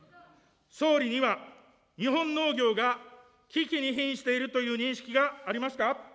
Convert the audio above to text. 総理には、日本農業が危機にひんしているという認識がありますか。